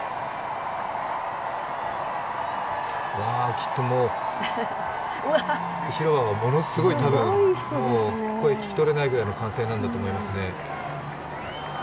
きっともう広場はものすごい声が聞き取れないぐらいの歓声なんだと思いますね。